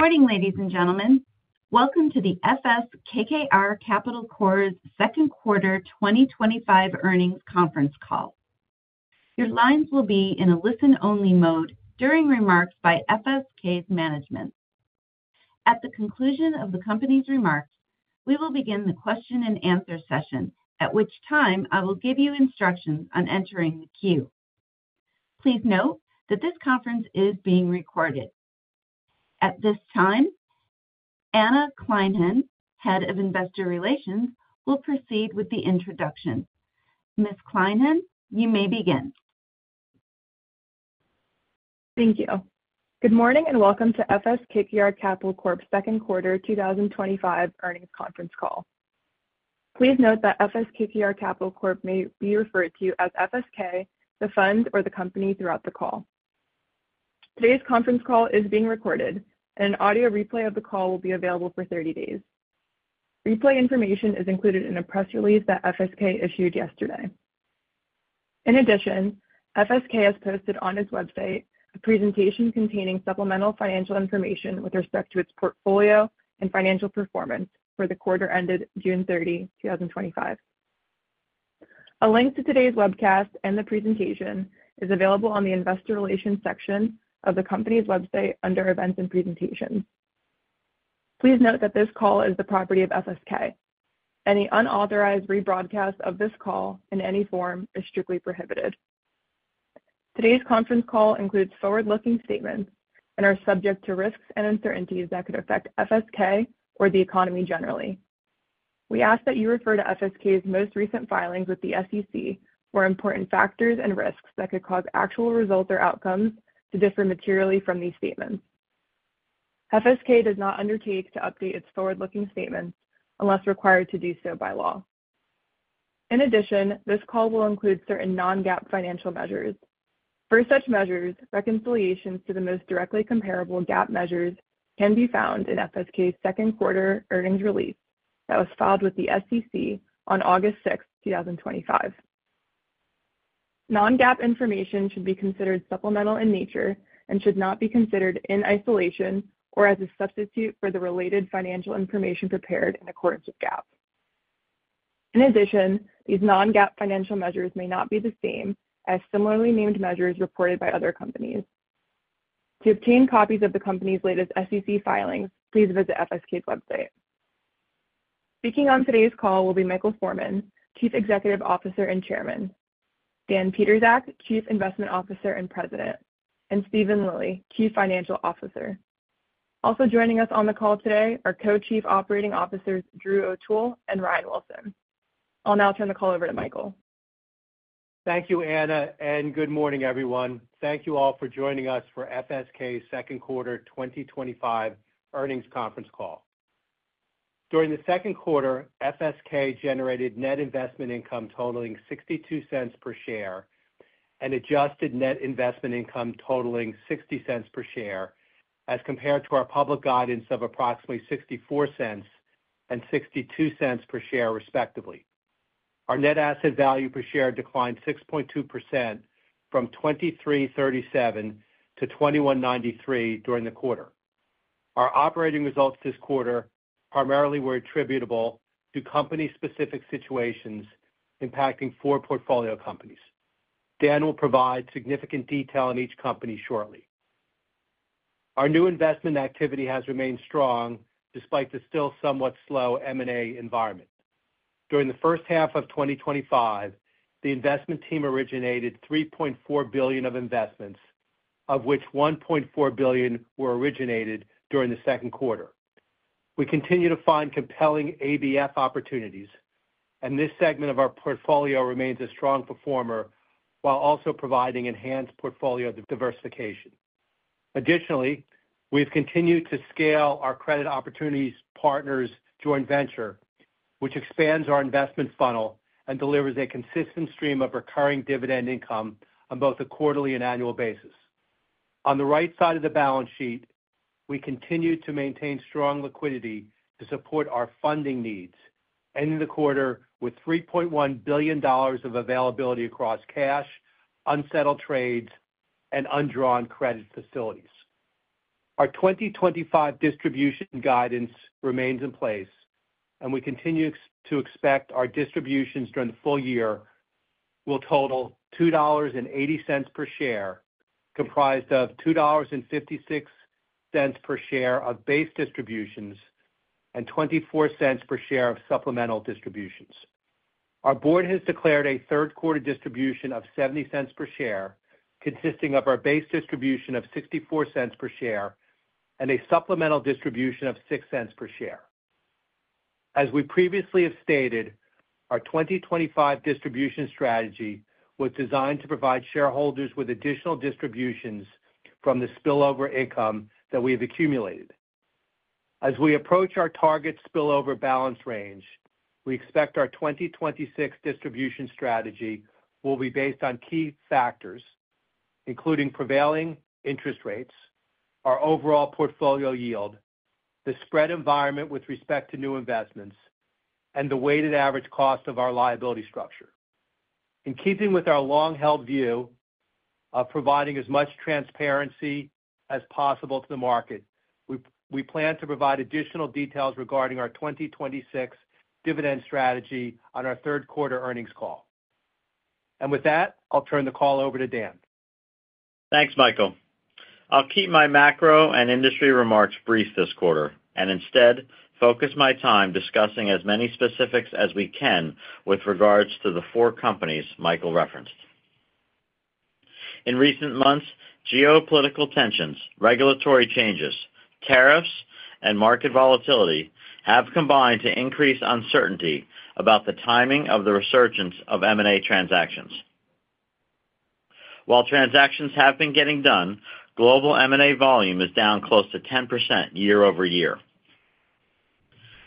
Good morning, ladies and gentlemen. Welcome to the FS KKR Capital Corp's Second Quarter 2025 Earnings Conference Call. Your lines will be in a listen-only mode during remarks by FSK's management. At the conclusion of the company's remarks, we will begin the question and answer session, at which time I will give you instructions on entering the queue. Please note that this conference is being recorded. At this time, Anna Kleinhenn, Head of Investor Relations, will proceed with the introduction. Ms. Kleinhenn, you may begin. Thank you. Good morning and welcome to FS KKR Capital Corp's Second Quarter 2025 Earnings Conference Call. Please note that FS KKR Capital Corp may be referred to as FSK, the fund, or the company throughout the call. Today's conference call is being recorded, and an audio replay of the call will be available for 30 days. Replay information is included in a press release that FSK issued yesterday. In addition, FSK has posted on its website a presentation containing supplemental financial information with respect to its portfolio and financial performance for the quarter ended June 30, 2025. A link to today's webcast and the presentation is available on the Investor Relations section of the company's website under Events and Presentations. Please note that this call is the property of FSK. Any unauthorized rebroadcast of this call in any form is strictly prohibited. Today's conference call includes forward-looking statements and are subject to risks and uncertainties that could affect FSK or the economy generally. We ask that you refer to FSK's most recent filings with the SEC for important factors and risks that could cause actual results or outcomes to differ materially from these statements. FSK does not undertake to update its forward-looking statements unless required to do so by law. In addition, this call will include certain non-GAAP financial measures. For such measures, reconciliations to the most directly comparable GAAP measures can be found in FSK's second quarter earnings release that was filed with the SEC on August 6, 2025. Non-GAAP information should be considered supplemental in nature and should not be considered in isolation or as a substitute for the related financial information prepared in accordance with GAAP. In addition, these non-GAAP financial measures may not be the same as similarly named measures reported by other companies. To obtain copies of the company's latest SEC filings, please visit FSK's website. Speaking on today's call will be Michael Forman, Chief Executive Officer and Chairman; Dan Pietrzak, Chief Investment Officer and President; and Steven Lilly, Chief Financial Officer. Also joining us on the call today are Co-Chief Operating Officers Drew O'Toole and Ryan Wilson. I'll now turn the call over to Michael. Thank you, Anna, and good morning, everyone. Thank you all for joining us for FSK's Second Quarter 2025 Earnings Conference Call. During the second quarter, FSK generated net investment income totaling $0.62 per share and adjusted net investment income totaling $0.60 per share as compared to our public guidance of approximately $0.64 and $0.62 per share, respectively. Our net asset value per share declined 6.2% from $23.37 to $21.93 during the quarter. Our operating results this quarter primarily were attributable to company-specific situations impacting four portfolio companies. Dan will provide significant detail on each company shortly. Our new investment activity has remained strong despite the still somewhat slow M&A environment. During the first half of 2025, the investment team originated $3.4 billion of investments, of which $1.4 billion were originated during the second quarter. We continue to find compelling ABF opportunities, and this segment of our portfolio remains a strong performer while also providing enhanced portfolio diversification. Additionally, we've continued to scale our Credit Opportunities Partners joint venture, which expands our investment funnel and delivers a consistent stream of recurring dividend income on both a quarterly and annual basis. On the right side of the balance sheet, we continue to maintain strong liquidity to support our funding needs, ending the quarter with $3.1 billion of availability across cash, unsettled trades, and undrawn credit facilities. Our 2025 distribution guidance remains in place, and we continue to expect our distributions during the full year will total $2.80 per share, comprised of $2.56 per share of base distributions and $0.24 per share of supplemental distributions. Our board has declared a third quarter distribution of $0.70 per share, consisting of our base distribution of $0.64 per share and a supplemental distribution of $0.06 per share. As we previously have stated, our 2025 distribution strategy was designed to provide shareholders with additional distributions from the spillover income that we have accumulated. As we approach our target spillover balance range, we expect our 2026 distribution strategy will be based on key factors, including prevailing interest rates, our overall portfolio yield, the spread environment with respect to new investments, and the weighted average cost of our liability structure. In keeping with our long-held view of providing as much transparency as possible to the market, we plan to provide additional details regarding our 2026 dividend strategy on our third quarter earnings call. With that, I'll turn the call over to Dan. Thanks, Michael. I'll keep my macro and industry remarks brief this quarter and instead focus my time discussing as many specifics as we can with regards to the four companies Michael referenced. In recent months, geopolitical tensions, regulatory changes, tariffs, and market volatility have combined to increase uncertainty about the timing of the resurgence of M&A transactions. While transactions have been getting done, global M&A volume is down close to 10% year-over-year.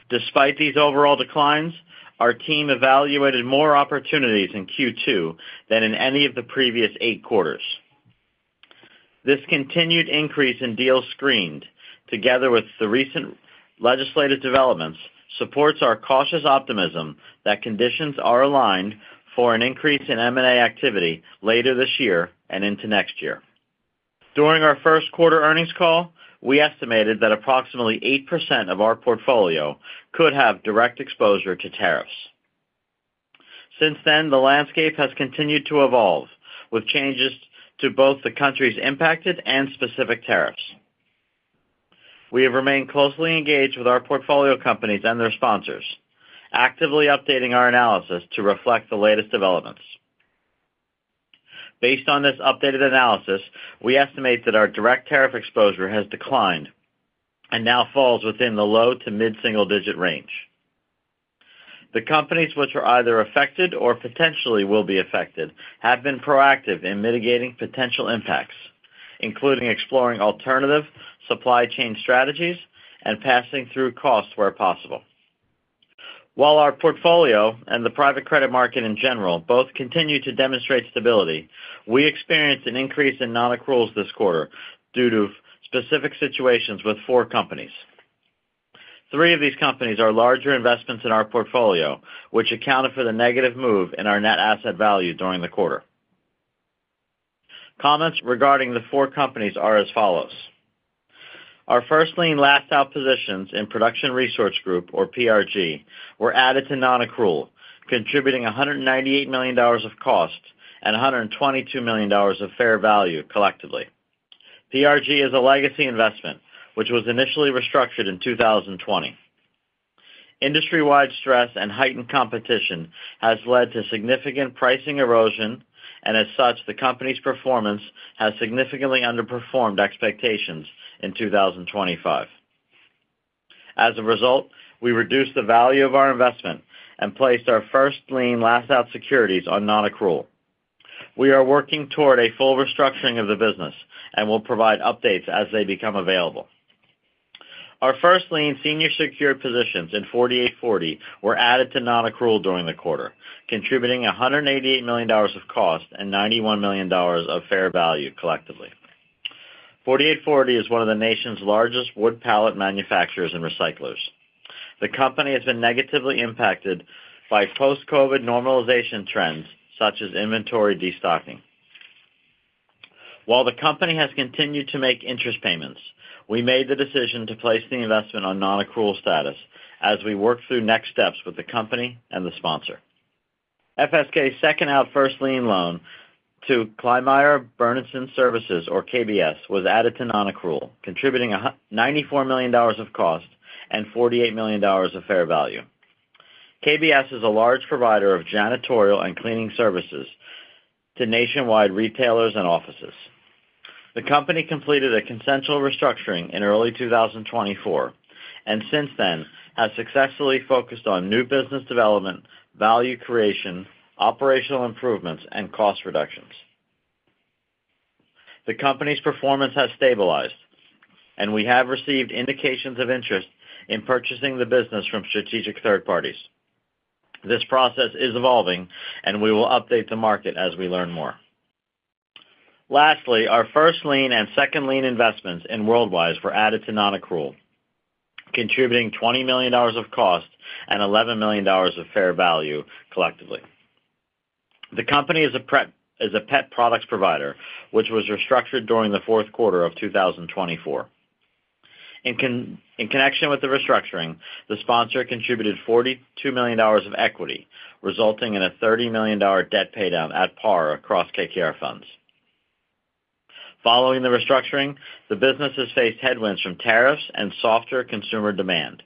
Despite these overall declines, our team evaluated more opportunities in Q2 than in any of the previous eight quarters. This continued increase in deals screened, together with the recent legislative developments, supports our cautious optimism that conditions are aligned for an increase in M&A activity later this year and into next year. During our first quarter earnings call, we estimated that approximately 8% of our portfolio could have direct exposure to tariffs. Since then, the landscape has continued to evolve with changes to both the countries impacted and specific tariffs. We have remained closely engaged with our portfolio companies and their sponsors, actively updating our analysis to reflect the latest developments. Based on this updated analysis, we estimate that our direct tariff exposure has declined and now falls within the low to mid-single-digit range. The companies which are either affected or potentially will be affected have been proactive in mitigating potential impacts, including exploring alternative supply chain strategies and passing through costs where possible. While our portfolio and the private credit market in general both continue to demonstrate stability, we experienced an increase in non-accruals this quarter due to specific situations with four companies. Three of these companies are larger investments in our portfolio, which accounted for the negative move in our net asset value during the quarter. Comments regarding the four companies are as follows. Our first lien loans positions in Production Resource Group, or PRG, were added to non-accrual, contributing $198 million of cost and $122 million of fair value collectively. PRG is a legacy investment, which was initially restructured in 2020. Industry-wide stress and heightened competition have led to significant pricing erosion, and as such, the company's performance has significantly underperformed expectations in 2025. As a result, we reduced the value of our investment and placed our first lien loan securities on non-accrual. We are working toward a full restructuring of the business and will provide updates as they become available. Our first lien senior secured positions in 48forty were added to non-accrual during the quarter, contributing $188 million of cost and $91 million of fair value collectively. 48forty is one of the nation's largest wood pallet manufacturers and recyclers. The company has been negatively impacted by post-COVID normalization trends such as inventory destocking. While the company has continued to make interest payments, we made the decision to place the investment on non-accrual status as we work through next steps with the company and the sponsor. FSK's second out first lien loan to Kleinmeyer-Bergensons Services, or KBS, was added to non-accrual, contributing $94 million of cost and $48 million of fair value. KBS is a large provider of janitorial and cleaning services to nationwide retailers and offices. The company completed a consensual restructuring in early 2024 and since then has successfully focused on new business development, value creation, operational improvements, and cost reductions. The company's performance has stabilized, and we have received indications of interest in purchasing the business from strategic third parties. This process is evolving, and we will update the market as we learn more. Lastly, our first lien and second lien investments in Worldwise were added to non-accrual, contributing $20 million of cost and $11 million of fair value collectively. The company is a pet products provider, which was restructured during the fourth quarter of 2024. In connection with the restructuring, the sponsor contributed $42 million of equity, resulting in a $30 million debt paydown at par across KKR funds. Following the restructuring, the business has faced headwinds from tariffs and softer consumer demand.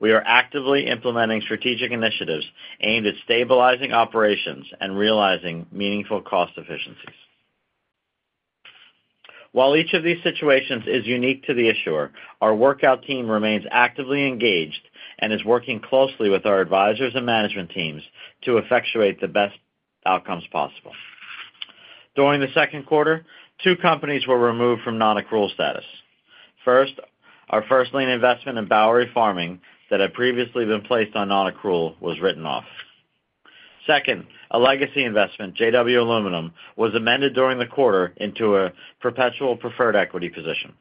We are actively implementing strategic initiatives aimed at stabilizing operations and realizing meaningful cost efficiencies. While each of these situations is unique to the issuer, our workout team remains actively engaged and is working closely with our advisors and management teams to effectuate the best outcomes possible. During the second quarter, two companies were removed from non-accrual status. First, our first lien investment in Bowery Farming that had previously been placed on non-accrual was written off. Second, a legacy investment, JW Aluminum, was amended during the quarter into a perpetual preferred equity position.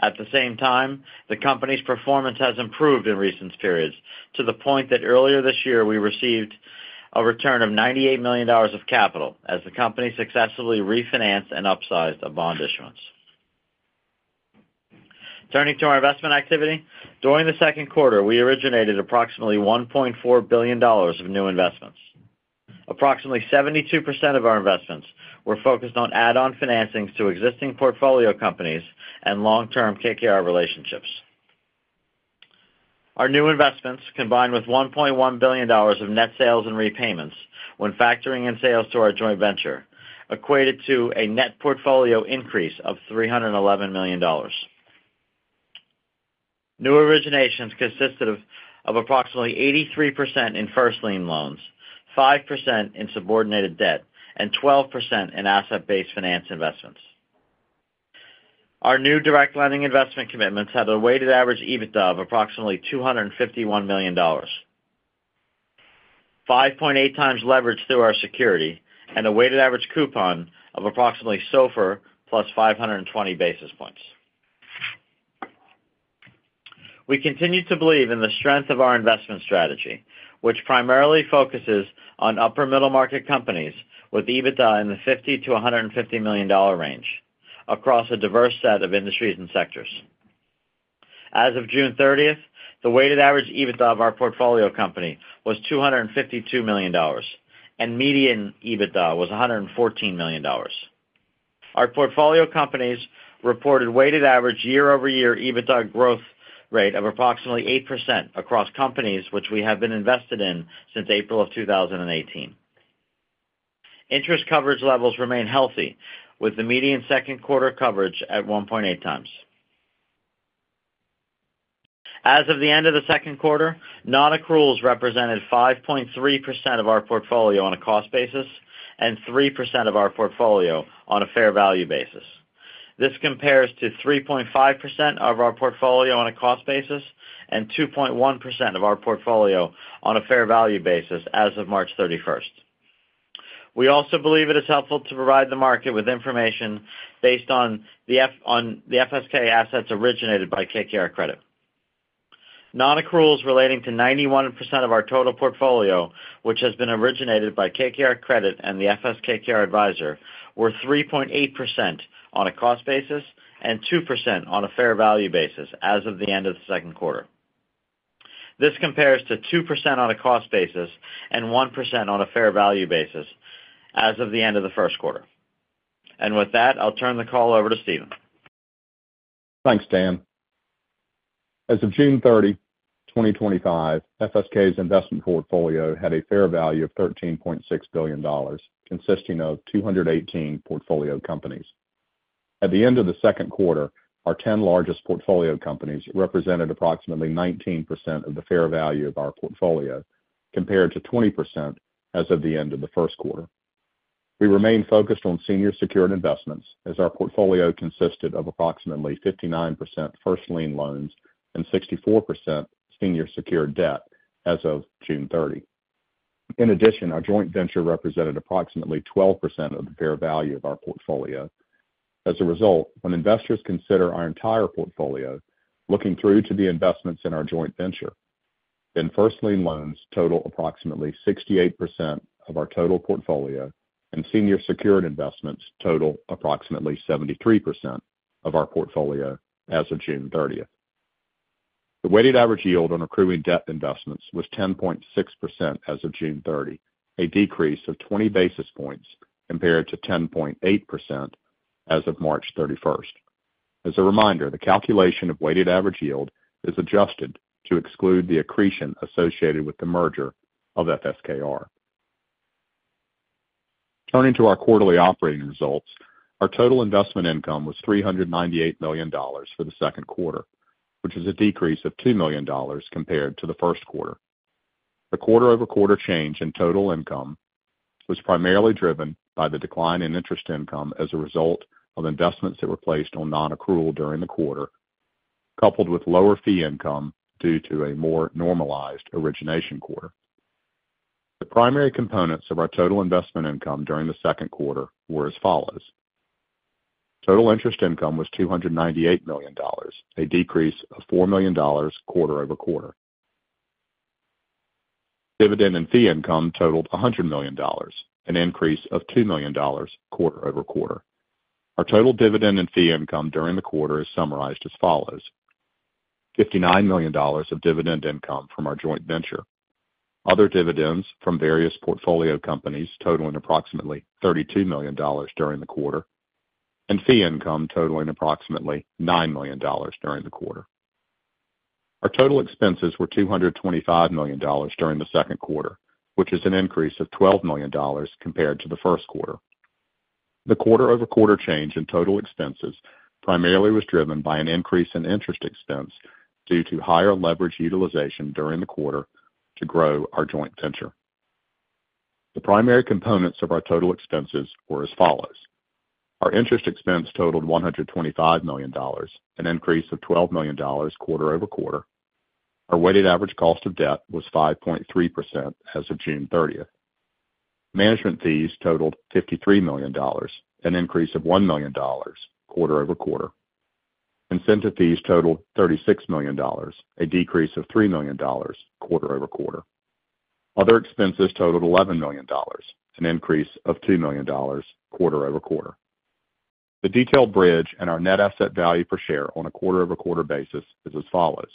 At the same time, the company's performance has improved in recent periods to the point that earlier this year we received a return of $98 million of capital as the company successfully refinanced and upsized a bond issuance. Turning to our investment activity, during the second quarter, we originated approximately $1.4 billion of new investments. Approximately 72% of our investments were focused on add-on financings to existing portfolio companies and long-term KKR relationships. Our new investments, combined with $1.1 billion of net sales and repayments, when factoring in sales to our joint venture, equated to a net portfolio increase of $311 million. New originations consisted of approximately 83% in first lien loans, 5% in subordinated debt, and 12% in asset-based finance investments. Our new direct lending investment commitments had a weighted average EBITDA of approximately $251 million, 5.8x leverage through our security, and a weighted average coupon of approximately SOFR plus 520 basis points. We continue to believe in the strength of our investment strategy, which primarily focuses on upper middle-market companies with EBITDA in the $50 million-$150 million range across a diverse set of industries and sectors. As of June 30th, the weighted average EBITDA of our portfolio company was $252 million, and median EBITDA was $114 million. Our portfolio companies reported weighted average year-over-year EBITDA growth rate of approximately 8% across companies which we have been invested in since April of 2018. Interest coverage levels remain healthy, with the median second quarter coverage at 1.8x. As of the end of the second quarter, non-accruals represented 5.3% of our portfolio on a cost basis and 3% of our portfolio on a fair value basis. This compares to 3.5% of our portfolio on a cost basis and 2.1% of our portfolio on a fair value basis as of March 31st. We also believe it is helpful to provide the market with information based on the FSK assets originated by KKR Credit. Non-accruals relating to 91% of our total portfolio, which has been originated by KKR Credit and the FS KKR Advisor, were 3.8% on a cost basis and 2% on a fair value basis as of the end of the second quarter. This compares to 2% on a cost basis and 1% on a fair value basis as of the end of the first quarter. With that, I'll turn the call over to Steven. Thanks, Dan. As of June 30, 2025, FSK's investment portfolio had a fair value of $13.6 billion, consisting of 218 portfolio companies. At the end of the second quarter, our 10 largest portfolio companies represented approximately 19% of the fair value of our portfolio, compared to 20% as of the end of the first quarter. We remained focused on senior secured investments as our portfolio consisted of approximately 59% first lien loans and 64% senior secured debt as of June 30. In addition, our joint venture represented approximately 12% of the fair value of our portfolio. As a result, when investors consider our entire portfolio, looking through to the investments in our joint venture, then first lien loans total approximately 68% of our total portfolio and senior secured investments total approximately 73% of our portfolio as of June 30. The weighted average yield on accruing debt investments was 10.6% as of June 30, a decrease of 20 basis points compared to 10.8% as of March 31. As a reminder, the calculation of weighted average yield is adjusted to exclude the accretion associated with the merger of FSKR. Turning to our quarterly operating results, our total investment income was $398 million for the second quarter, which is a decrease of $2 million compared to the first quarter. The quarter-over-quarter change in total income was primarily driven by the decline in interest income as a result of investments that were placed on non-accrual during the quarter, coupled with lower fee income due to a more normalized origination quarter. The primary components of our total investment income during the second quarter were as follows. Total interest income was $298 million, a decrease of $4 million quarter-over-quarter. Dividend and fee income totaled $100 million, an increase of $2 million quarter-over-quarter. Our total dividend and fee income during the quarter is summarized as follows: $59 million of dividend income from our joint venture, other dividends from various portfolio companies totaling approximately $32 million during the quarter, and fee income totaling approximately $9 million during the quarter. Our total expenses were $225 million during the second quarter, which is an increase of $12 million compared to the first quarter. The quarter-over-quarter change in total expenses primarily was driven by an increase in interest expense due to higher leverage utilization during the quarter to grow our joint venture. The primary components of our total expenses were as follows. Our interest expense totaled $125 million, an increase of $12 million quarter-over-quarter. Our weighted average cost of debt was 5.3% as of June 30. Management fees totaled $53 million, an increase of $1 million quarter-over-quarter. Incentive fees totaled $36 million, a decrease of $3 million quarter-over-quarter. Other expenses totaled $11 million, an increase of $2 million quarter-over-quarter. The detailed bridge and our net asset value per share on a quarter-over-quarter basis is as follows.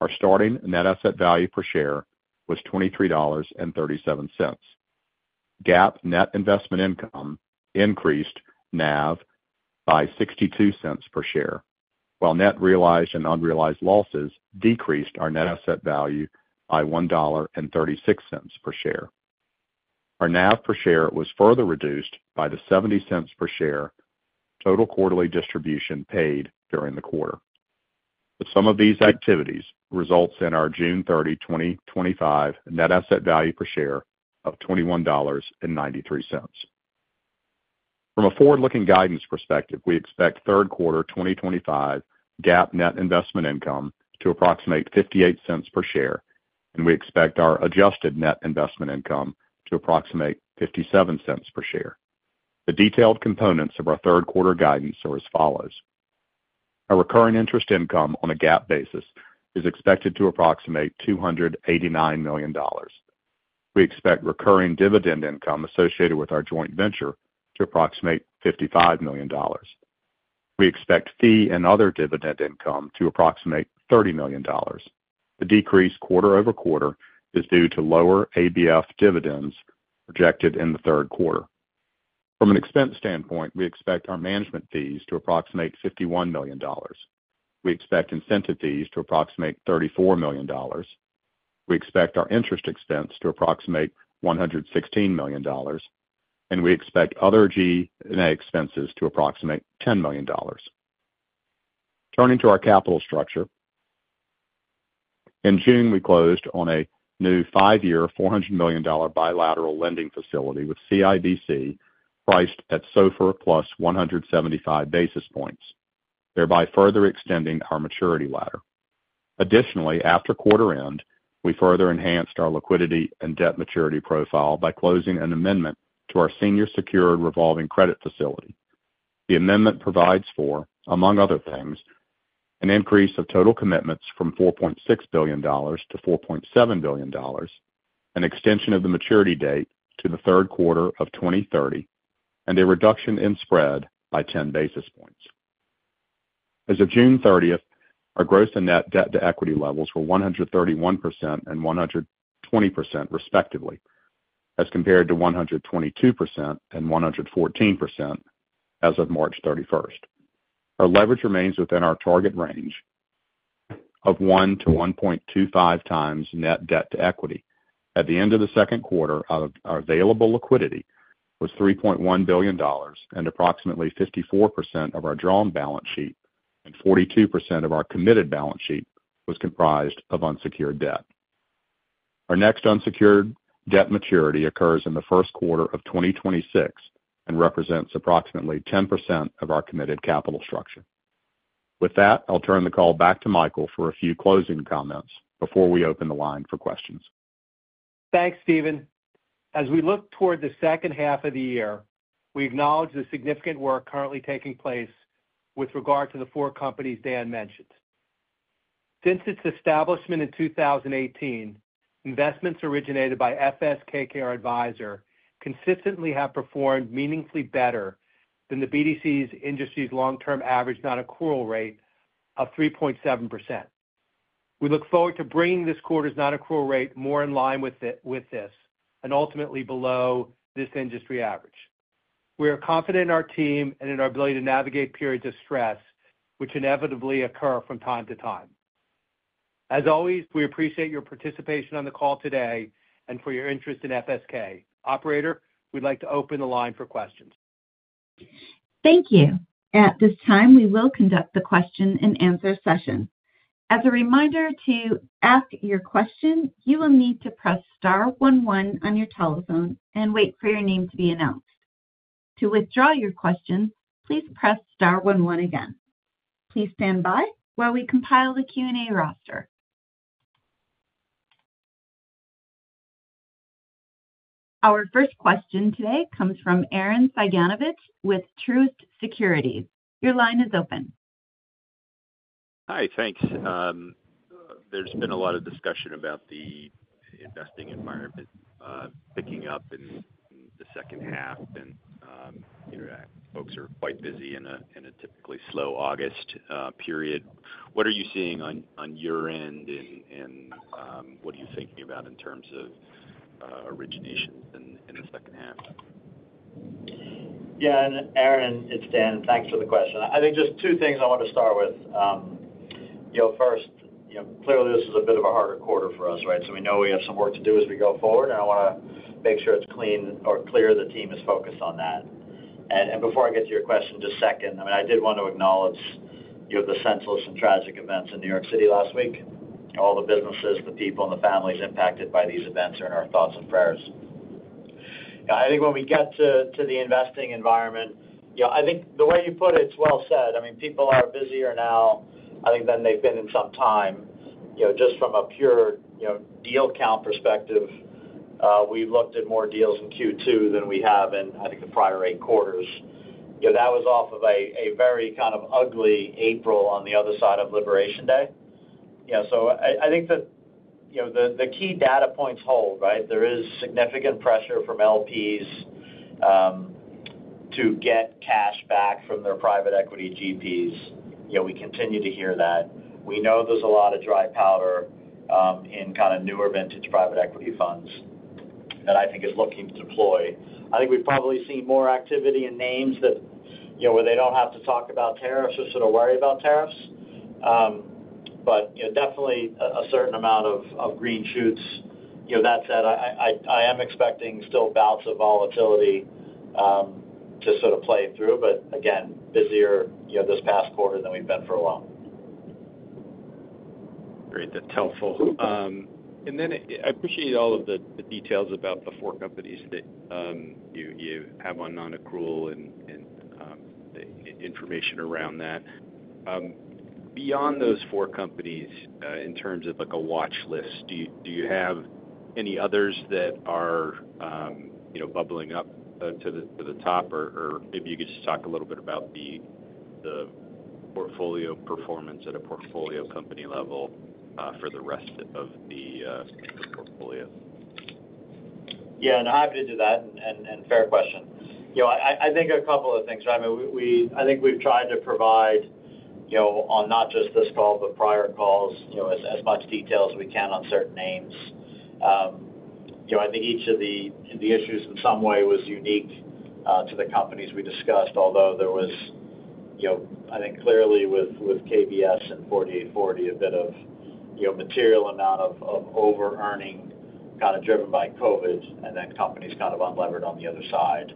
Our starting net asset value per share was $23.37. GAAP net investment income increased NAV by $0.62 per share, while net realized and unrealized losses decreased our net asset value by $1.36 per share. Our NAV per share was further reduced by the $0.70 per share total quarterly distribution paid during the quarter. The sum of these activities results in our June 30, 2025 net asset value per share of $21.93. From a forward-looking guidance perspective, we expect third quarter 2025 GAAP net investment income to approximate $0.58 per share, and we expect our adjusted net investment income to approximate $0.57 per share. The detailed components of our third quarter guidance are as follows. Our recurring interest income on a GAAP basis is expected to approximate $289 million. We expect recurring dividend income associated with our joint venture to approximate $55 million. We expect fee and other dividend income to approximate $30 million. The decrease quarter over quarter is due to lower ABF dividends projected in the third quarter. From an expense standpoint, we expect our management fees to approximate $51 million. We expect incentive fees to approximate $34 million. We expect our interest expense to approximate $116 million, and we expect other G&A expenses to approximate $10 million. Turning to our capital structure, in June, we closed on a new five-year $400 million bilateral lending facility with CIBC priced at SOFR +175 basis points, thereby further extending our maturity ladder. Additionally, after quarter end, we further enhanced our liquidity and debt maturity profile by closing an amendment to our senior secured revolving credit facility. The amendment provides for, among other things, an increase of total commitments from $4.6 billion to $4.7 billion, an extension of the maturity date to the third quarter of 2030, and a reduction in spread by 10 basis points. As of June 30, our gross and net debt to equity levels were 131% and 120%, respectively, as compared to 122% and 114% as of March 31. Our leverage remains within our target range of 1x-1.25x net debt to equity. At the end of the second quarter, our available liquidity was $3.1 billion, and approximately 54% of our drawn balance sheet and 42% of our committed balance sheet was comprised of unsecured debt. Our next unsecured debt maturity occurs in the first quarter of 2026 and represents approximately 10% of our committed capital structure. With that, I'll turn the call back to Michael for a few closing comments before we open the line for questions. Thanks, Steven. As we look toward the second half of the year, we acknowledge the significant work currently taking place with regard to the four companies Dan mentioned. Since its establishment in 2018, investments originated by FS KKR Advisor consistently have performed meaningfully better than the BDC industry's long-term average non-accrual rate of 3.7%. We look forward to bringing this quarter's non-accrual rate more in line with this and ultimately below this industry average. We are confident in our team and in our ability to navigate periods of stress, which inevitably occur from time to time. As always, we appreciate your participation on the call today and for your interest in FSK. Operator, we'd like to open the line for questions. Thank you. At this time, we will conduct the question-and-answer session. As a reminder, to ask your question, you will need to press star one one on your telephone and wait for your name to be announced. To withdraw your question, please press star one one again. Please stand by while we compile the Q&A roster. Our first question today comes from Aaren Cyganovich with Truist Securities. Your line is open. Hi, thanks. There's been a lot of discussion about the investing environment picking up in the second half, and you know folks are quite busy in a typically slow August period. What are you seeing on your end, and what are you thinking about in terms of originations in the second half? Yeah, and Aaron, it's Dan. Thanks for the question. I think just two things I want to start with. First, clearly this is a bit of a harder quarter for us, right? We know we have some work to do as we go forward, and I want to make sure it's clear the team is focused on that. Before I get to your question, just second, I did want to acknowledge the senseless and tragic events in New York City last week. All the businesses, the people, and the families impacted by these events are in our thoughts and prayers. I think when we get to the investing environment, the way you put it, it's well said. People are busier now, I think, than they've been in some time. Just from a pure deal count perspective, we've looked at more deals in Q2 than we have in, I think, the prior eight quarters. That was off of a very kind of ugly April on the other side of Liberation Day. I think the key data points hold, right? There is significant pressure from LPs to get cash back from their private equity GPs. We continue to hear that. We know there's a lot of dry powder in kind of newer vintage private equity funds that I think are looking to deploy. I think we've probably seen more activity in names where they don't have to talk about tariffs or sit to worry about tariffs. Definitely a certain amount of green shoots. That said, I am expecting still bouts of volatility to sort of play through, but again, busier this past quarter than we've been for a while. Great, that's helpful. I appreciate all of the details about the four companies that you have on non-accrual and the information around that. Beyond those four companies, in terms of a watch list, do you have any others that are bubbling up to the top? Maybe you could just talk a little bit about the portfolio performance at a portfolio company level for the rest of the portfolio. Yeah, I'm happy to do that, and fair question. I think a couple of things, right? I mean, I think we've tried to provide, not just on this call but prior calls, as much detail as we can on certain names. I think each of the issues in some way was unique to the companies we discussed, although there was clearly with Kleinmeyer-Bergensons Services and 48forty a bit of a material amount of over-earning kind of driven by COVID, and then companies kind of unlevered on the other side.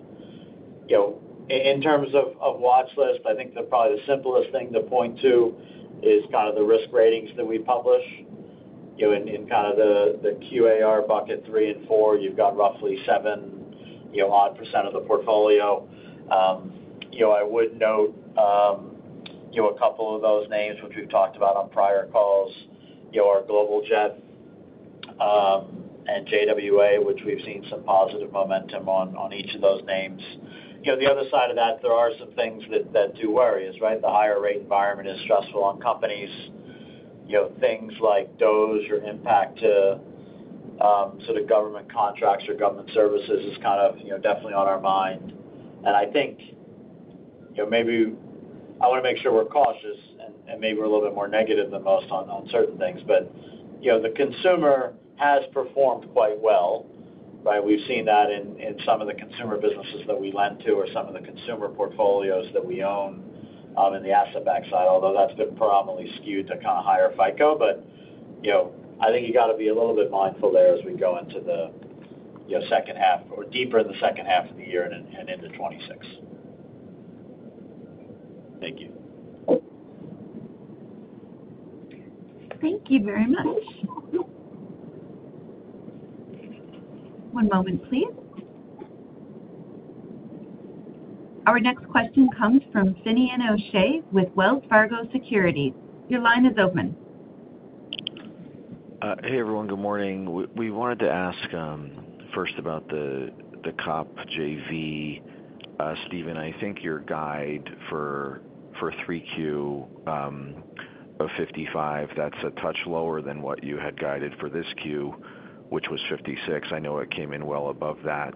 In terms of watch lists, probably the simplest thing to point to is the risk ratings that we publish. In the QAR bucket three and four, you've got roughly 7% of the portfolio. I would note a couple of those names, which we've talked about on prior calls, are GlobalJet and JWA, which we've seen some positive momentum on each of those names. The other side of that, there are some things that do worry us, right? The higher rate environment is stressful on companies. Things like DOES or impact to sort of government contracts or government services is definitely on our mind. I think maybe I want to make sure we're cautious and maybe we're a little bit more negative than most on certain things, but the consumer has performed quite well, right? We've seen that in some of the consumer businesses that we lend to or some of the consumer portfolios that we own in the asset-based finance side, although that's been predominantly skewed to higher FICO. I think you got to be a little bit mindful there as we go into the second half or deeper in the second half of the year and into 2026. Thank you. Thank you very much. One moment, please. Our next question comes from Finian O'Shea with Wells Fargo Securities. Your line is open. Hey, everyone. Good morning. We wanted to ask, first about the COP JV. Steven, I think your guide for 3Q of $0.55, that's a touch lower than what you had guided for this quarter, which was $0.56. I know it came in well above that,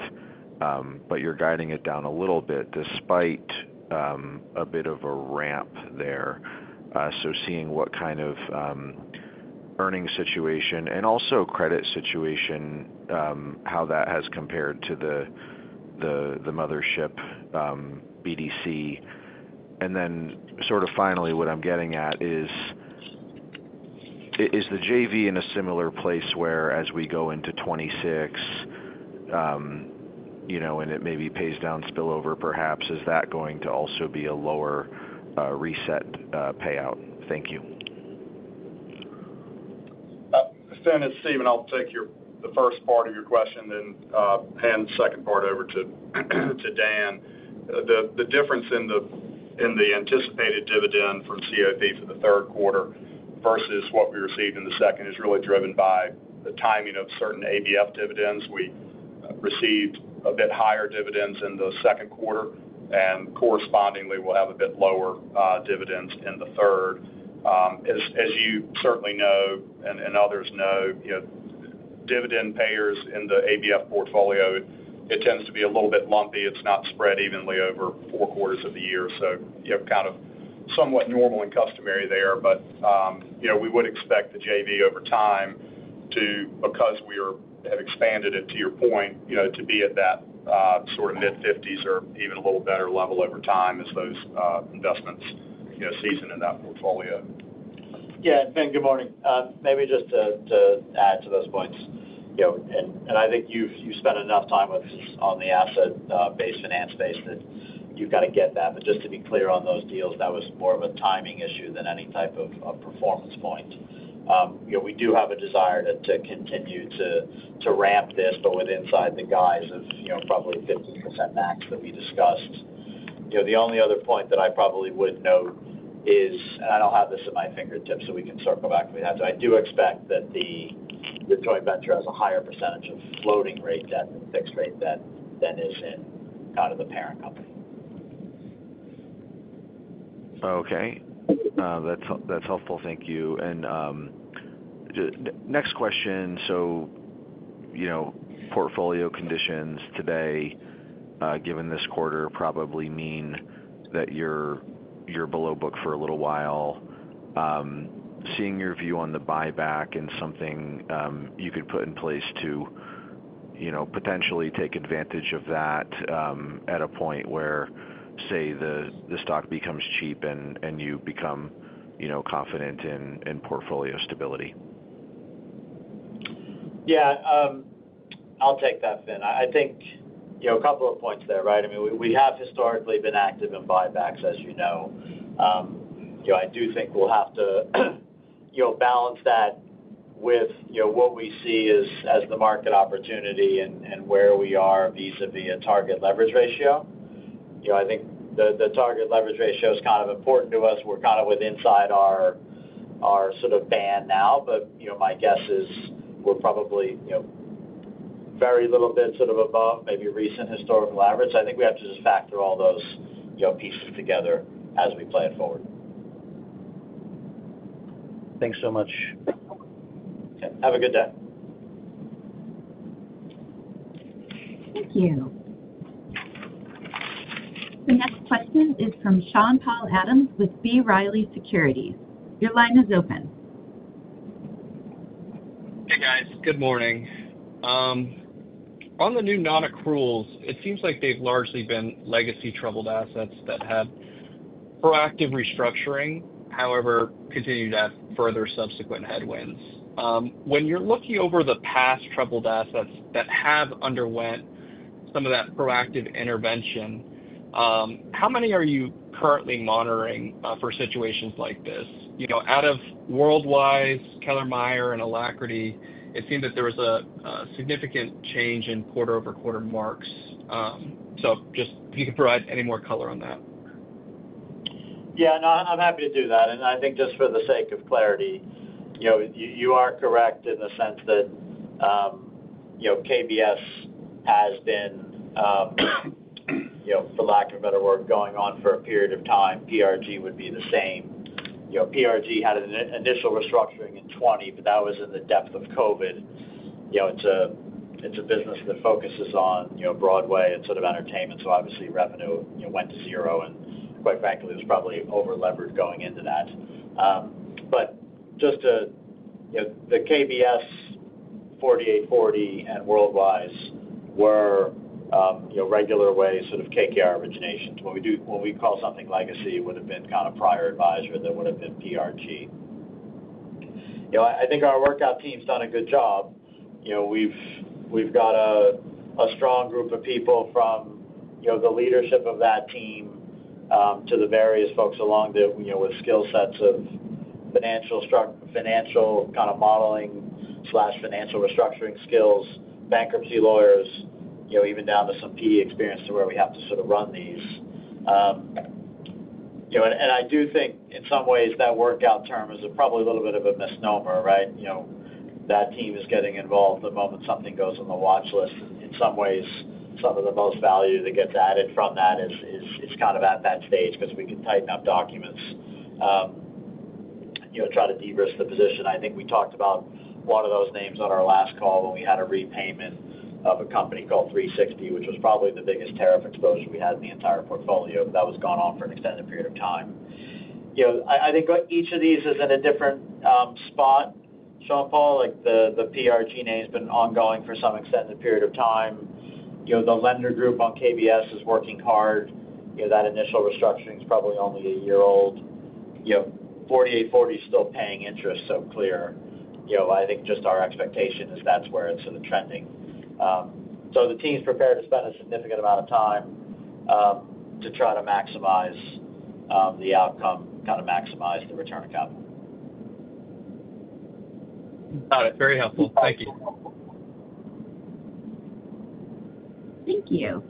but you're guiding it down a little bit despite a bit of a ramp there. Seeing what kind of earnings situation and also credit situation, how that has compared to the mothership, BDC. Finally, what I'm getting at is, is the JV in a similar place where, as we go into 2026, you know, and it maybe pays down spillover, perhaps, is that going to also be a lower reset payout? Thank you. Send it, Steven. I'll take the first part of your question and hand the second part over to Dan. The difference in the anticipated dividend from CFD for the third quarter versus what we received in the second is really driven by the timing of certain ABF dividends. We received a bit higher dividends in the second quarter, and correspondingly, we'll have a bit lower dividends in the third. As you certainly know, and others know, dividend payers in the ABF portfolio, it tends to be a little bit lumpy. It's not spread evenly over four quarters of the year. Kind of somewhat normal and customary there. We would expect the JV over time to, because we have expanded it to your point, to be at that sort of mid-50s or even a little better level over time as those investments season in that portfolio. Yeah, Ben, good morning. Maybe just to add to those points, you know, and I think you've spent enough time with us on the asset-based finance space that you've got to get that. Just to be clear on those deals, that was more of a timing issue than any type of a performance point. You know, we do have a desire to continue to ramp this, but within the guise of, you know, probably 15% max that we discussed. The only other point that I probably would note is, and I don't have this at my fingertips, so we can circle back if we have to, I do expect that the Detroit Metro has a higher percentage of floating rate debt than fixed rate debt than is in kind of the parent company. Okay, that's helpful. Thank you. Next question. Portfolio conditions today, given this quarter, probably mean that you're below book for a little while. Seeing your view on the buyback and something you could put in place to potentially take advantage of that at a point where, say, the stock becomes cheap and you become confident in portfolio stability. Yeah. I'll take that, Finian. I think, you know, a couple of points there, right? I mean, we have historically been active in buybacks, as you know. I do think we'll have to balance that with what we see as the market opportunity and where we are vis-à-vis a target leverage ratio. I think the target leverage ratio is kind of important to us. We're kind of inside our sort of band now, but my guess is we're probably very little bit sort of above maybe recent historical average. I think we have to just factor all those pieces together as we play it forward. Thanks so much. Yeah, have a good day. Thank you. The next question is from Sean-Paul Adams with B. Riley Securities. Your line is open. Hey, guys. Good morning. On the new non-accruals, it seems like they've largely been legacy troubled assets that had proactive restructuring, however, continued to have further subsequent headwinds. When you're looking over the past troubled assets that have underwent some of that proactive intervention, how many are you currently monitoring for situations like this? You know, out of Worldwise, Kleinmeyer-Bergensons Services, and Alacrity, it seemed that there was a significant change in quarter-over-quarter marks. Just if you could provide any more color on that. Yeah, no, I'm happy to do that. I think just for the sake of clarity, you are correct in the sense that KBS has been, for lack of a better word, going on for a period of time. PRG would be the same. PRG had an initial restructuring in 2020, but that was in the depth of COVID. It's a business that focuses on Broadway and sort of entertainment, so obviously, revenue went to zero, and quite frankly, it was probably over-leveraged going into that. Just to clarify, KBS, 48forty, and Worldwise were regular way sort of KKR originations. When we call something legacy, it would have been kind of prior advisor; that would have been PRG. I think our workout team's done a good job. We've got a strong group of people from the leadership of that team to the various folks along with skill sets of strong financial modeling slash financial restructuring skills, bankruptcy lawyers, even down to some PE experience to where we have to sort of run these. I do think in some ways that workout term is probably a little bit of a misnomer, right? That team is getting involved the moment something goes on the watch list. In some ways, some of the most value that gets added from that is kind of at that stage because we can tighten up documents, try to de-risk the position. I think we talked about one of those names on our last call when we had a repayment of a company called 360, which was probably the biggest tariff exposure we had in the entire portfolio. That was going on for an extended period of time. I think each of these is in a different spot, Sean-Paul. The PRG name has been ongoing for some extended period of time. The lender group on KBS is working hard. That initial restructuring is probably only a year old. 48forty is still paying interest, so clear. I think just our expectation is that's where it's sort of trending. The team's prepared to spend a significant amount of time to try to maximize the outcome, kind of maximize the return account. Got it. Very helpful. Thank you. Thank you.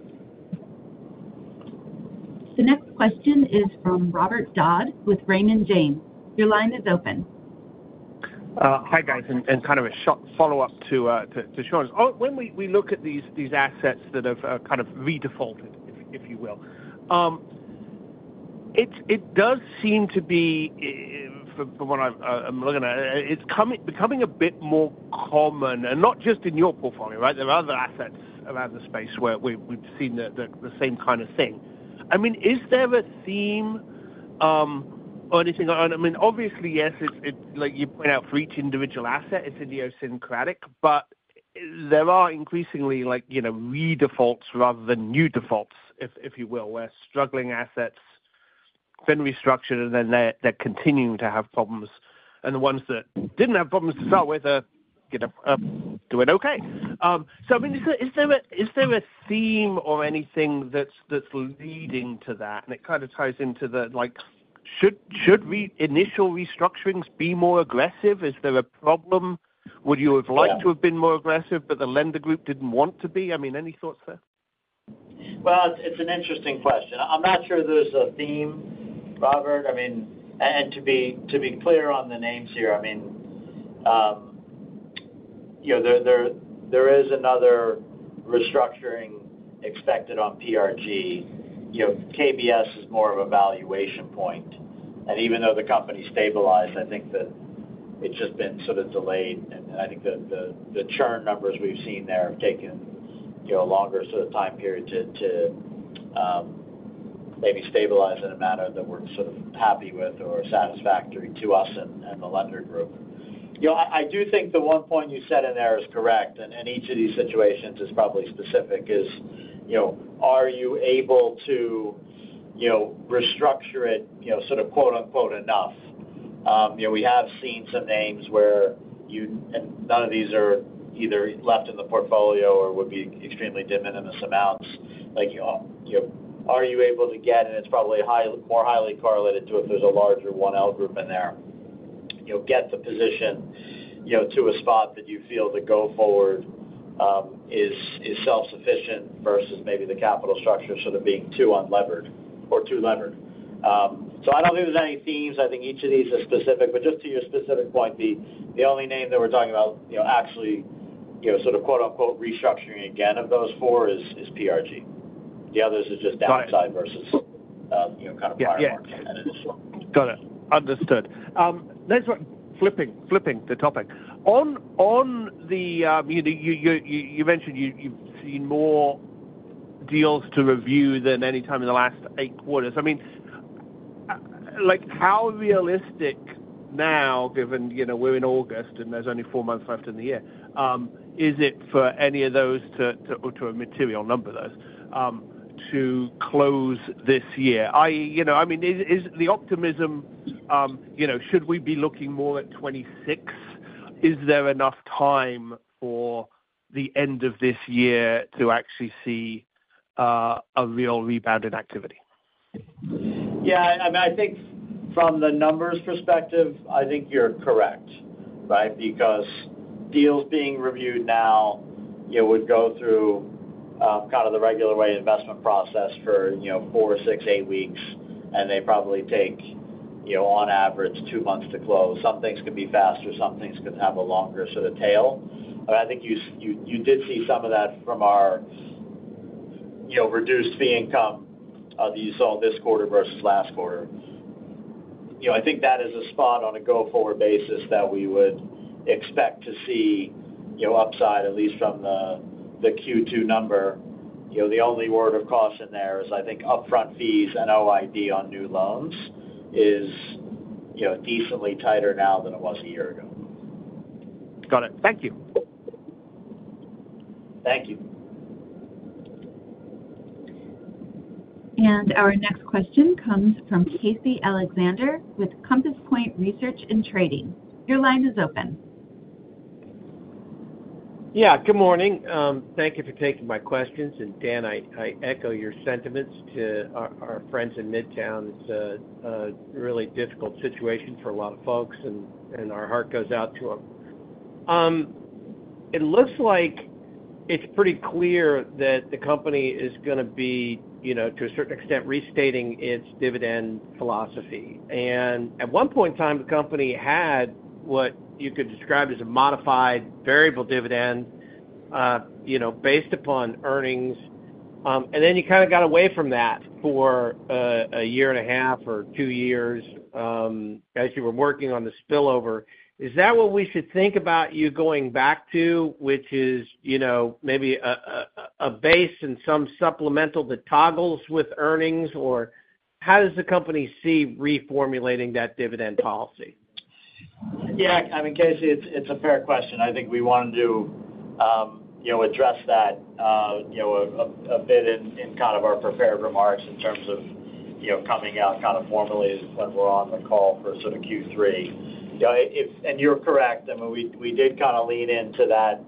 The next question is from Robert Dodd with Raymond James. Your line is open. Hi, guys. A short follow-up to Sean's. When we look at these assets that have redefaulted, if you will, it does seem to be, from what I'm looking at, it's becoming a bit more common, and not just in your portfolio, right? There are other assets around the space where we've seen the same kind of thing. I mean, is there a theme or anything? Obviously, yes, it's like you point out for each individual asset, it's idiosyncratic, but there are increasingly, like, you know, redefaults rather than new defaults, if you will, where struggling assets have been restructured and then they're continuing to have problems. The ones that didn't have problems to start with are doing okay. I mean, is there a theme or anything that's leading to that? It kind of ties into the, like, should initial restructurings be more aggressive? Is there a problem? Would you have liked to have been more aggressive, but the lender group didn't want to be? Any thoughts there? It's an interesting question. I'm not sure there's a theme, Robert. To be clear on the names here, there is another restructuring expected on PRG. KBS is more of a valuation point. Even though the company stabilized, I think it's just been sort of delayed. I think the churn numbers we've seen there have taken a longer sort of time period to maybe stabilize in a manner that we're sort of happy with or satisfactory to us and the lender group. I do think the one point you said in there is correct, and each of these situations is probably specific. Are you able to restructure it, sort of quote-unquote enough? We have seen some names where none of these are either left in the portfolio or would be extremely dim in some amounts. Like, are you able to get, and it's probably more highly correlated to if there's a larger one L group in there, get the position to a spot that you feel the go-forward is self-sufficient versus maybe the capital structure sort of being too unlevered or too levered. I don't think there's any themes. I think each of these is specific. Just to your specific point, the only name that we're talking about actually sort of quote-unquote restructuring again of those four is PRG. The others are just downside versus kind of price and interest market. Got it. Understood. Let's flip the topic. You mentioned you've seen more deals to review than any time in the last eight quarters. How realistic now, given we're in August and there's only four months left in the year, is it for any of those, or a material number of those, to close this year? Is the optimism, should we be looking more at 2026? Is there enough time for the end of this year to actually see a real rebound in activity? Yeah, I mean, I think from the numbers perspective, I think you're correct, right? Because deals being reviewed now would go through the regular way investment process for, you know, four, six, eight weeks, and they probably take, on average, two months to close. Some things could be faster. Some things could have a longer sort of tail. I think you did see some of that from our reduced fee income of use on this quarter versus last quarter. I think that is a spot on a go-forward basis that we would expect to see upside, at least from the Q2 number. The only word of cost in there is, I think, upfront fees and OID on new loans is decently tighter now than it was a year ago. Got it. Thank you. Thank you. Our next question comes from Casey Alexander with Compass Point Research & Trading. Your line is open. Yeah, good morning. Thank you for taking my questions. Dan, I echo your sentiments to our friends in Midtown. It's a really difficult situation for a lot of folks, and our heart goes out to them. It looks like it's pretty clear that the company is going to be, to a certain extent, restating its dividend philosophy. At one point in time, the company had what you could describe as a modified variable dividend, based upon earnings. You kind of got away from that for a year and a half or two years, as you were working on the spillover. Is that what we should think about you going back to, which is maybe a base and some supplemental that toggles with earnings, or how does the company see reformulating that dividend policy? Yeah, I mean, Casey, it's a fair question. I think we wanted to address that a bit in our prepared remarks in terms of coming out formally when we're on the call for sort of Q3. You're correct. I mean, we did kind of lean into that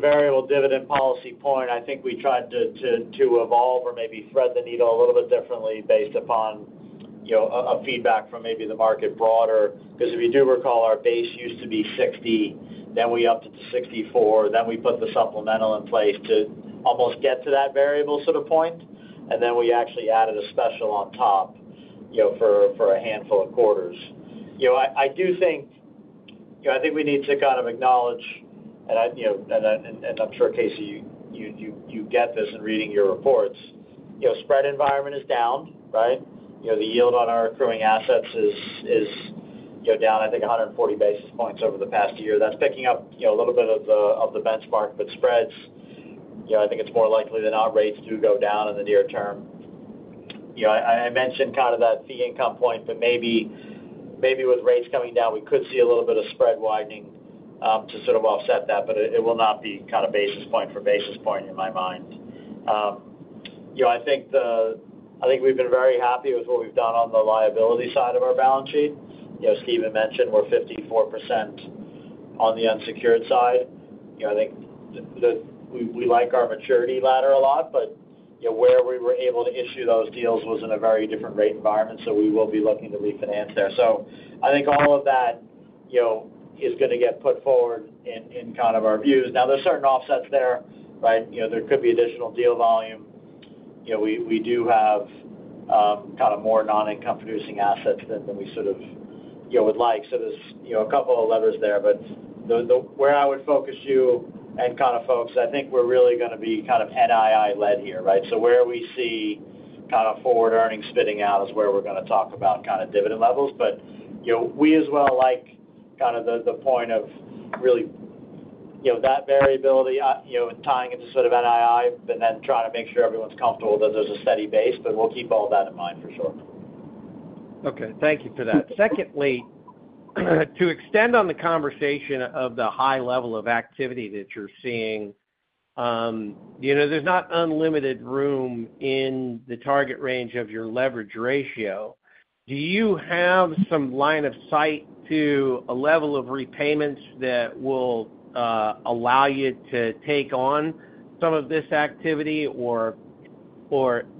variable dividend policy point. I think we tried to evolve or maybe thread the needle a little bit differently based upon feedback from maybe the market broader. Because if you do recall, our base used to be $0.60, then we upped it to $0.64, then we put the supplemental in place to almost get to that variable sort of point. Then we actually added a special on top for a handful of quarters. I do think we need to kind of acknowledge, and I'm sure, Casey, you get this in reading your reports. Spread environment is down, right? The yield on our accruing assets is down, I think, 140 basis points over the past year. That's picking up a little bit of the benchmark, but spreads, I think it's more likely than not rates do go down in the near term. I mentioned that fee income point, but maybe with rates coming down, we could see a little bit of spread widening to sort of offset that, but it will not be basis point for basis point in my mind. I think we've been very happy with what we've done on the liability side of our balance sheet. Steven mentioned we're 54% on the unsecured side. I think that we like our maturity ladder a lot, but where we were able to issue those deals was in a very different rate environment, so we will be looking to refinance there. I think all of that is going to get put forward in our views. Now, there's certain offsets there, right? There could be additional deal volume. We do have more non-company-inducing assets than we would like. So there's a couple of levers there, but where I would focus you and folks, I think we're really going to be NII-led here, right? Where we see forward earnings spitting out is where we're going to talk about dividend levels. We as well like the point of really, you know, that variability, you know, tying it to sort of NII, but then trying to make sure everyone's comfortable that there's a steady base. We'll keep all that in mind for sure. Okay. Thank you for that. Secondly, to extend on the conversation of the high level of activity that you're seeing, you know, there's not unlimited room in the target range of your leverage ratio. Do you have some line of sight to a level of repayments that will allow you to take on some of this activity, or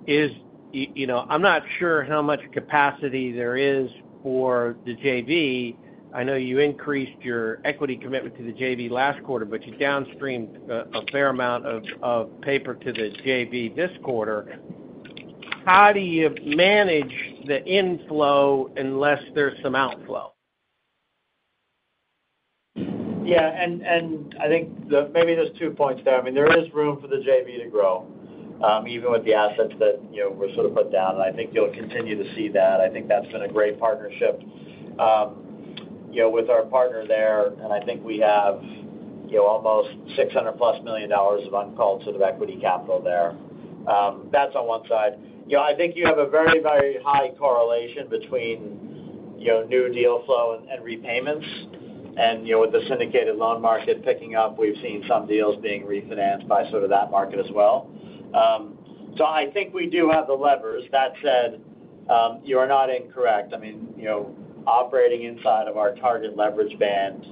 is, you know, I'm not sure how much capacity there is for the JV. I know you increased your equity commitment to the JV last quarter, but you downstreamed a fair amount of paper to the JV this quarter. How do you manage the inflow unless there's some outflow? Yeah, I think maybe there's two points there. I mean, there is room for the JV to grow, even with the assets that were sort of put down. I think you'll continue to see that. I think that's been a great partnership with our partner there. I think we have almost $600 million of uncalled sort of equity capital there. That's on one side. I think you have a very, very high correlation between new deal flow and repayments. With the syndicated loan market picking up, we've seen some deals being refinanced by that market as well. I think we do have the levers. That said, you are not incorrect. I mean, operating inside of our target leverage band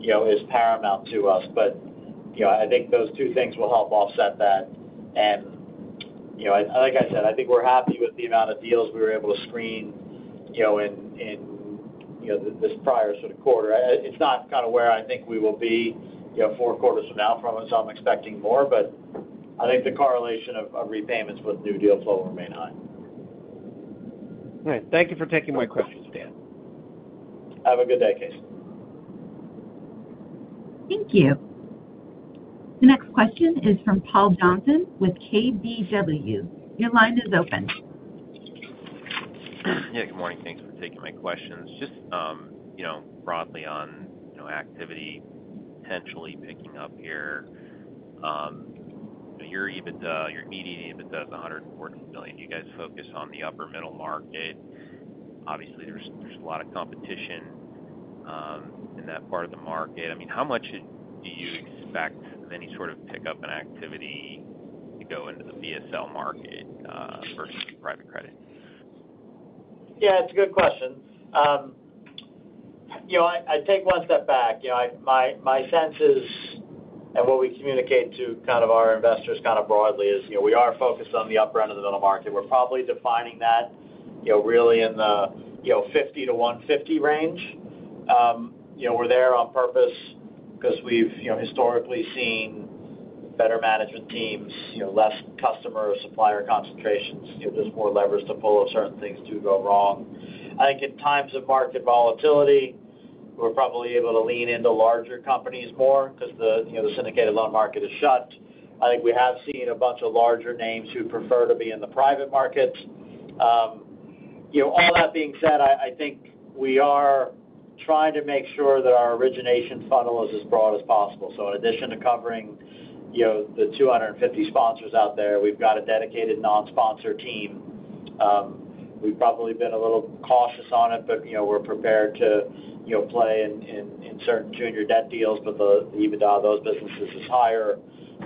is paramount to us. I think those two things will help offset that. Like I said, I think we're happy with the amount of deals we were able to screen in this prior sort of quarter. It's not kind of where I think we will be four quarters from now, so I'm expecting more. I think the correlation of repayments with new deal flow will remain high. All right. Thank you for taking my questions, Dan. Have a good day, Casey. Thank you. The next question is from Paul Johnson with KBW. Your line is open. Yeah, good morning. Thanks for taking my questions. Just broadly on activity potentially picking up here. Your EBITDA, your immediate EBITDA is $140 million. Do you guys focus on the upper middle market? Obviously, there's a lot of competition in that part of the market. I mean, how much do you expect of any sort of pickup in activity to go into the BSL market versus private credit? Yeah, it's a good question. I take one step back. My sense is, and what we communicate to our investors broadly is, we are focused on the upper end of the middle market. We're probably defining that really in the $50 million-$150 million range. We're there on purpose because we've historically seen better management teams, less customer-supplier concentrations, and there's more levers to pull if certain things do go wrong. I think in times of market volatility, we're probably able to lean into larger companies more because the syndicated loan market is shut. I think we have seen a bunch of larger names who prefer to be in the private market. All that being said, I think we are trying to make sure that our origination funnel is as broad as possible. In addition to covering the 250 sponsors out there, we've got a dedicated non-sponsor team. We've probably been a little cautious on it, but we're prepared to play in certain junior debt deals where the EBITDA of those businesses is higher.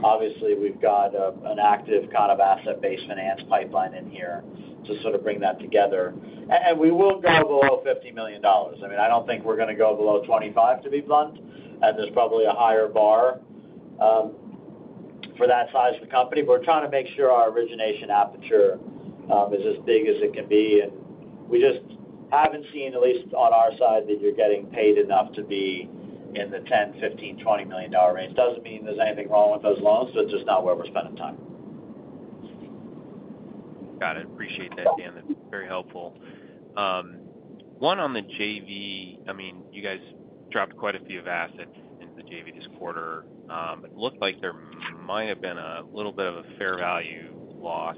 Obviously, we've got an active asset-based finance pipeline in here to sort of bring that together. We will go below $50 million. I mean, I don't think we're going to go below $25 million, to be blunt, and there's probably a higher bar for that size of the company. We're trying to make sure our origination aperture is as big as it can be. We just haven't seen, at least on our side, that you're getting paid enough to be in the $10 million, $15 million, $20 million range. It doesn't mean there's anything wrong with those loans. It's just not where we're spending time. Got it. Appreciate that, Dan. That's very helpful. One on the JV, I mean, you guys dropped quite a few of assets into the JV this quarter. It looked like there might have been a little bit of a fair value loss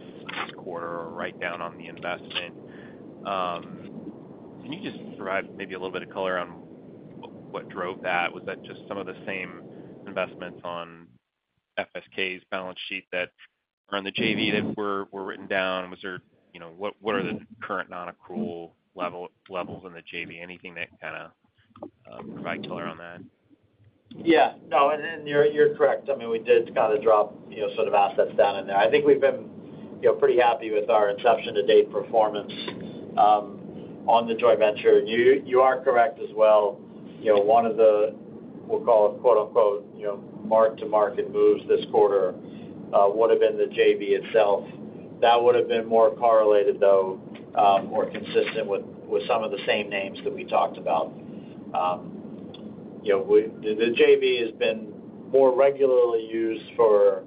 this quarter or write down on the investment. Can you just provide maybe a little bit of color on what drove that? Was that just some of the same investments on FSK's balance sheet that are on the JV that were written down? Was there, you know, what are the current non-accrual levels in the JV? Anything that kind of provide color on that? Yeah. No, and you're correct. I mean, we did kind of drop, you know, sort of assets down in there. I think we've been pretty happy with our inception-to-date performance on the joint venture. You are correct as well. One of the, we'll call it quote-unquote, mark-to-market moves this quarter would have been the JV itself. That would have been more correlated, though, or consistent with some of the same names that we talked about. The JV has been more regularly used for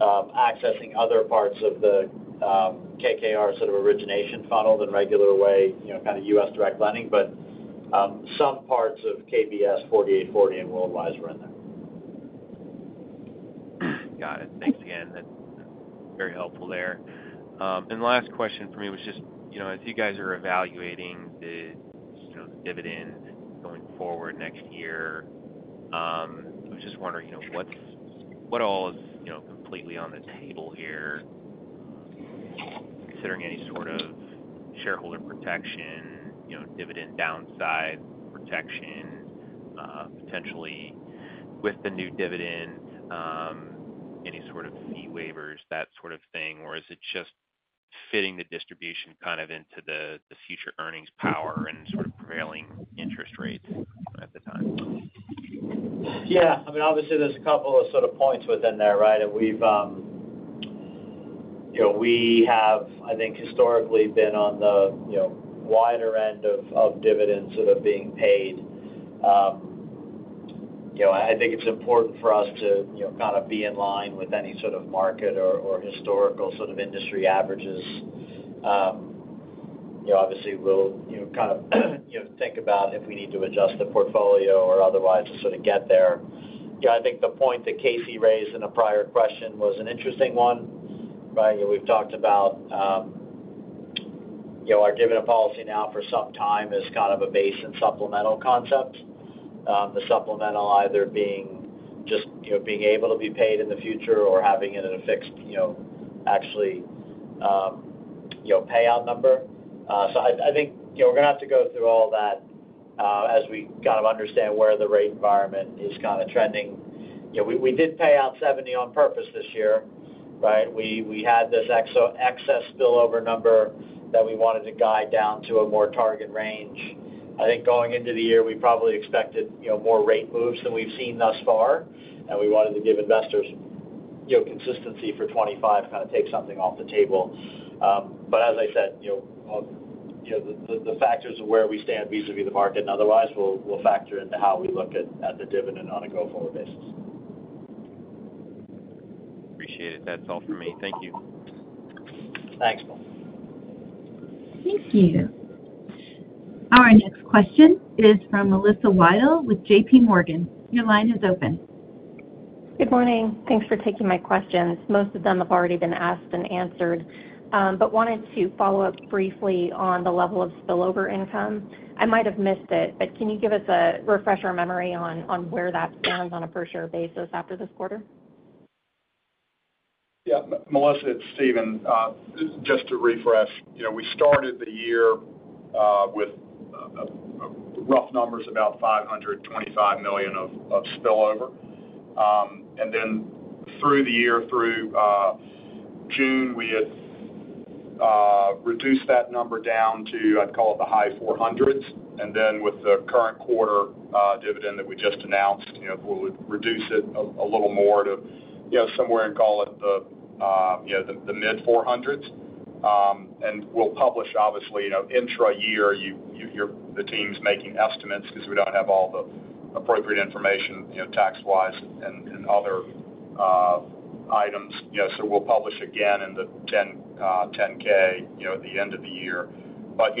accessing other parts of the KKR sort of origination funnel than regular way, you know, kind of U.S. direct lending. Some parts of Kleinmeyer-Bergensons Services, 48forty, and Worldwise were in there. Got it. Thanks again. That's very helpful. The last question for me was just, as you guys are evaluating the dividend going forward next year, I was just wondering, what's all completely on the table here? Considering any sort of shareholder protection, dividend downside protection, potentially with the new dividend, any sort of fee waivers, that sort of thing, or is it just fitting the distribution into the future earnings power and prevailing interest rate at the time? Yeah. I mean, obviously, there's a couple of sort of points within there, right? We've, you know, we have, I think, historically been on the, you know, wider end of dividends that are being paid. I think it's important for us to, you know, kind of be in line with any sort of market or historical sort of industry averages. Obviously, we'll, you know, kind of think about if we need to adjust the portfolio or otherwise to sort of get there. I think the point that Casey raised in a prior question was an interesting one, right? We've talked about our dividend policy now for some time as kind of a base and supplemental concept. The supplemental either being just, you know, being able to be paid in the future or having it at a fixed, you know, actually, you know, payout number. I think we're going to have to go through all that as we kind of understand where the rate environment is kind of trending. We did pay out $0.70 on purpose this year, right? We had this excess spillover number that we wanted to guide down to a more target range. I think going into the year, we probably expected more rate moves than we've seen thus far. We wanted to give investors consistency for 2025 to kind of take something off the table. As I said, the factors of where we stand vis-à-vis the market and otherwise will factor into how we look at the dividend on a go-forward basis. Appreciate it. That's all for me. Thank you. Thanks. Thank you. Our next question is from Melissa Wedel with JPMorgan. Your line is open. Good morning. Thanks for taking my questions. Most of them have already been asked and answered, but wanted to follow up briefly on the level of spillover income. I might have missed it, but can you give us a refresher memory on where that stands on a per-share basis after this quarter? Yeah. Melissa, it's Steven. Just to refresh, you know, we started the year with rough numbers, about $525 million of spillover. Through the year, through June, we had reduced that number down to, I'd call it, the high $400 million. With the current quarter dividend that we just announced, we'll reduce it a little more to somewhere, call it, the mid-$400 million. We'll publish, obviously, intra-year, the team's making estimates because we don't have all the appropriate information, tax-wise and other items. We'll publish again in the 10-K at the end of the year.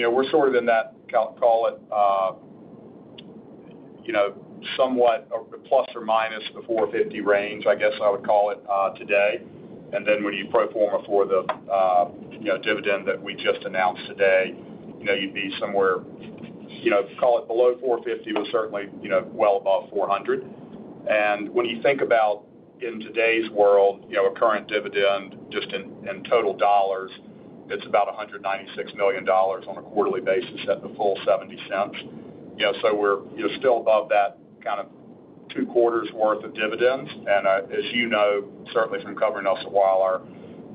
We're sort of in that, call it, somewhat a ±$450 million range, I guess I would call it today. When you perform a fourth of the dividend that we just announced today, you'd be somewhere, call it, below $450 million, but certainly well above $400 million. When you think about in today's world, a current dividend just in total dollars, it's about $196 million on a quarterly basis at the full $0.70. We're still above that kind of two quarters' worth of dividends. As you know, certainly from covering us a while,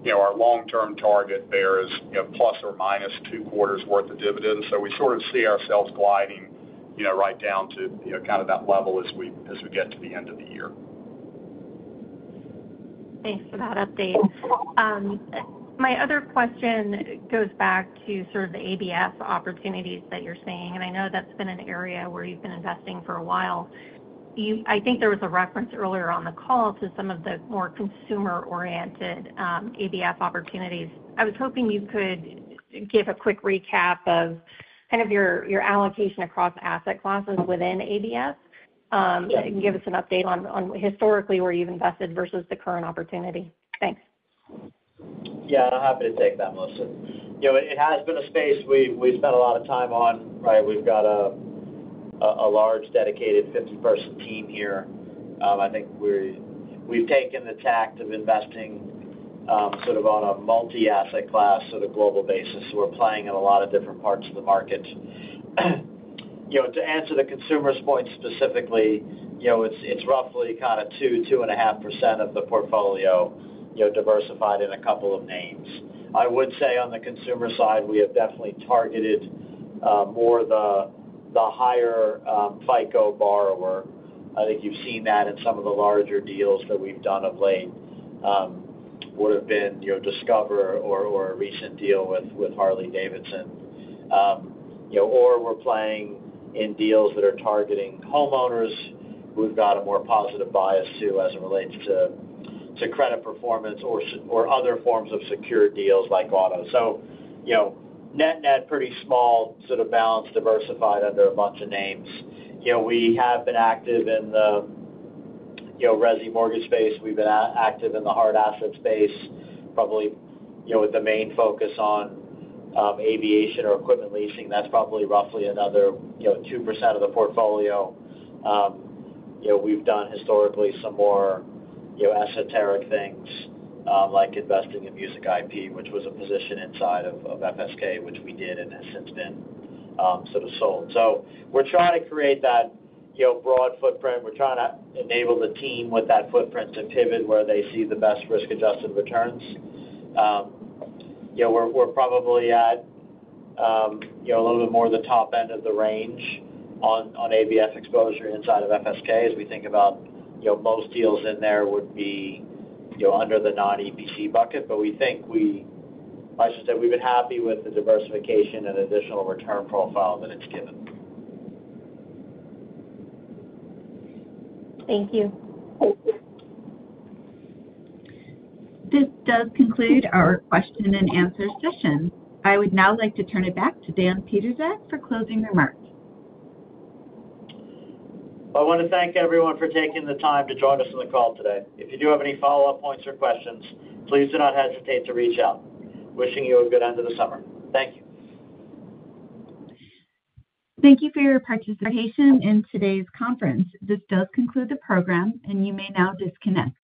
our long-term target there is plus or minus two quarters' worth of dividends. We sort of see ourselves gliding right down to kind of that level as we get to the end of the year. Thanks for that update. My other question goes back to the ABF opportunities that you're saying. I know that's been an area where you've been investing for a while. I think there was a reference earlier on the call to some of the more consumer-oriented ABF opportunities. I was hoping you could give a quick recap of your allocation across asset classes within ABF and give us an update on historically where you've invested versus the current opportunity. Thanks. Yeah, I'm happy to take that, Melissa. It has been a space we've spent a lot of time on, right? We've got a large dedicated 50-person team here. I think we've taken the tact of investing sort of on a multi-asset class global basis. We're playing in a lot of different parts of the market. To answer the consumer's point specifically, it's roughly kind of 2%-2.5% of the portfolio, diversified in a couple of names. I would say on the consumer side, we have definitely targeted more the higher FICO borrower. I think you've seen that in some of the larger deals that we've done of late, would have been Discover or a recent deal with Harley-Davidson, or we're playing in deals that are targeting homeowners. We've got a more positive bias too as it relates to credit performance or other forms of secured deals like Grono. Net-net, pretty small balance diversified under a bunch of names. We have been active in the resi mortgage space. We've been active in the hard asset space, probably with the main focus on aviation or equipment leasing. That's probably roughly another 2% of the portfolio. We've done historically some more esoteric things, like investing in Music IP, which was a position inside of FS KKR Capital Corp., which we did and has since been sold. We're trying to create that broad footprint. We're trying to enable the team with that footprint to pivot where they see the best risk-adjusted returns. We're probably at a little bit more of the top end of the range on ABF exposure inside of FS KKR Capital Corp. as we think about most deals in there would be under the non-EPC bucket. We think we've been happy with the diversification and additional return profile that it's given. Thank you. This does conclude our question and answer session. I would now like to turn it back to Dan Pietrzak for closing remarks. I want to thank everyone for taking the time to join us on the call today. If you do have any follow-up points or questions, please do not hesitate to reach out. Wishing you a good end of the summer. Thank you. Thank you for your participation in today's conference. This does conclude the program, and you may now disconnect.